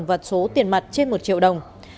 và số tiền mặt trên một triệu đồng